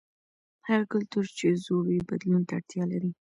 هغه کلتور چې زوړ وي بدلون ته اړتیا لري.